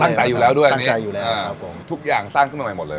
ตั้งใจอยู่แล้วด้วยอันนี้อ๋อทุกอย่างสร้างขึ้นมาใหม่หมดเลย